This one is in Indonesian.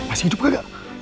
masih hidup gak